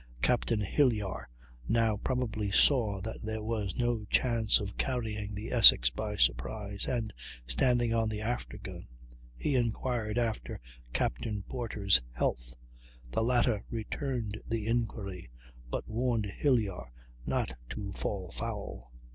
Captain Hilyar now probably saw that there was no chance of carrying the Essex by surprise, and, standing on the after gun, he inquired after Captain Porter's health; the latter returned the inquiry, but warned Hilyar not to fall foul.